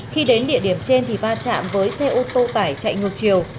khi đến địa điểm trên thì va chạm với xe ô tô tải chạy ngược chiều